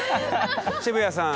渋谷さん